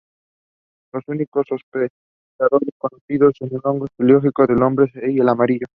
Los únicos hospedadores conocidos del hongo etiológico son el hombre y el armadillo.